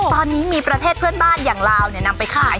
ตอนนี้มีประเทศเพื่อนบ้านอย่างลาวนำไปขาย